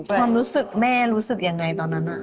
ความรู้สึกแม่รู้สึกยังไงตอนนั้น